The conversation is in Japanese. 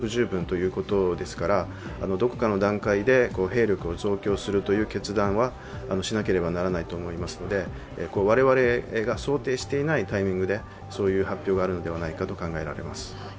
しかし、一方で今の兵力では不十分補給も不十分ということですからどこかの段階で兵力を増強するという決断はしなければならないと思いますので、我々が想定していないタイミングでそういう発表があるのではないかと考えられます。